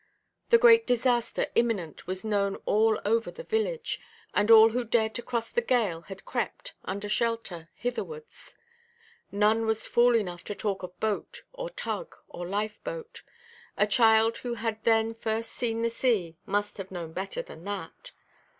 The great disaster imminent was known all over the village, and all who dared to cross the gale had crept, under shelter, hitherwards. None was fool enough to talk of boat, or tug, or lifeboat; a child who had then first seen the sea must have known better than that.